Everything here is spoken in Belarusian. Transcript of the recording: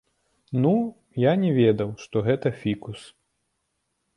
Ну, я не ведаў, што гэта фікус.